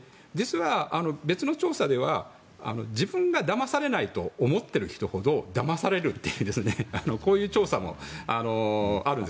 別の調査では自分がだまされないと思っている人ほどだまされるという調査もあるんです。